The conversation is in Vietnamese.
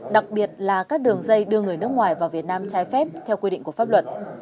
đặc biệt là các đường dây đưa người nước ngoài vào việt nam trái phép theo quy định của pháp luật